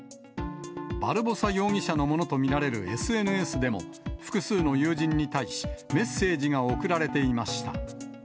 バルボサ容疑者のものと見られるＳＮＳでも、複数の友人に対し、メッセージが送られていました。